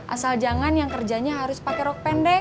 asal jangan yang kerjanya harus pakai rok pendek